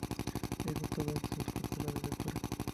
Es dotada de su propia sala de lectura.